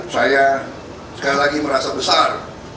saya sekali lagi merasa besar